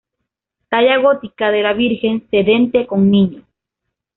Talla gótica de la Virgen sedente con Niño.